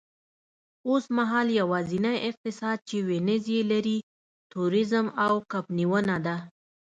اوسمهال یوازینی اقتصاد چې وینز یې لري، تورېزم او کب نیونه ده